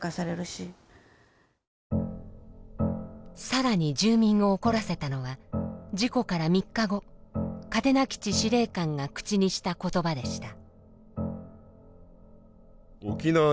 更に住民を怒らせたのは事故から３日後嘉手納基地司令官が口にした言葉でした。